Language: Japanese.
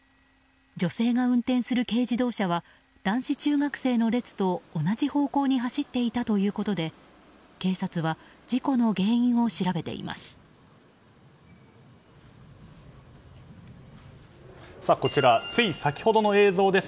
女性が運転する軽自動車は男子中学生の列と同じ方向に走っていたということで警察は事故の原因を調べています。